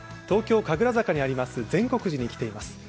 東京・神楽坂にあります善国寺に来ています。